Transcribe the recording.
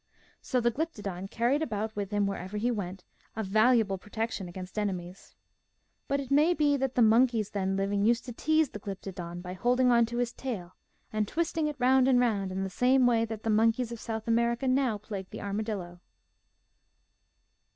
So the Glyptodon carried about with him wherever he went a valuable protection against enemies. But SOME SOUTH AMERICAN RULERS 141 it may be that the monkeys then living used to tease the Glyptodon by holding on to his tail and twisting it round and round in the same way that the monkeys of South America now plague the armadillo.